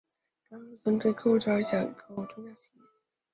该银行所针对的客户主要为个体客户及中小企业。